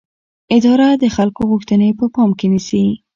اداره د خلکو غوښتنې په پام کې نیسي.